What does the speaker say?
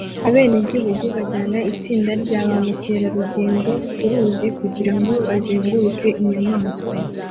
Abenegihugu bajyana itsinda rya ba mukerarugendo ku ruzi kugira ngo bazenguruke inyamaswa